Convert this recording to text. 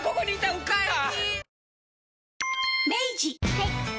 はい。